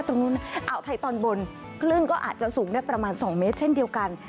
ตรงนู้นอ่าวไทยตอนบนคลื่นก็อาจจะสูงได้ประมาณ๒เมตรเช่นเดียวกัน